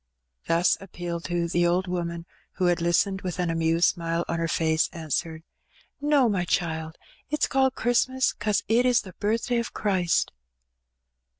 Thus appealed to, the old woman, who had listened with an amused smile on her face, answered — "No, my child. It's called Christmas 'cause it is the birthday of Christ."